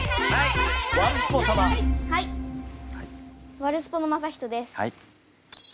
ワルスポのまさひとです。